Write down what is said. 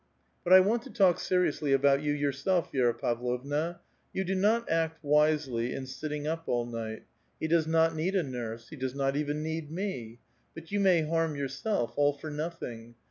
But I want to talk seriously about you yourself, Vi^ra Pav lovna. You do not act wisely, in sitting up all night ; he does not need a nurse ; he does not even need me. But you may harm yourself, all for nothing.